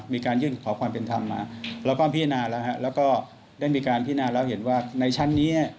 มีการยื่นขอความเป็นธรรมมาแล้วก็พินาศแล้วเห็นว่าในชั้นนี้